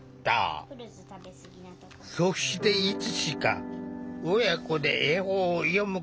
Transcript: そしていつしか親子で絵本を読むことを諦めてしまった。